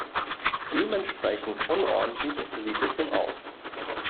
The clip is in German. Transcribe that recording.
Dementsprechend unordentlich sieht es nun aus.